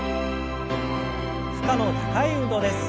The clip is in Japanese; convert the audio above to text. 負荷の高い運動です。